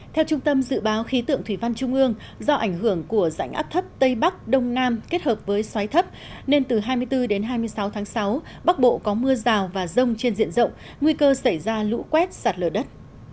theo trung tâm dự báo khí tượng thủy văn trung ương do ảnh hưởng của rãnh áp thấp tây bắc đông nam kết hợp với xoáy thấp nên từ hai mươi bốn đến hai mươi sáu tháng sáu bắc bộ có mưa rào và rông trên diện rộng nguy cơ xảy ra lũ quét sạt lở đất